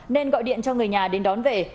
nên gọi điện cho người nhà đến đón về